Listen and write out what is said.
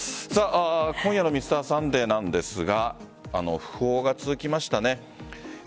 今夜の「Ｍｒ．サンデー」なんですが訃報が続きましたね。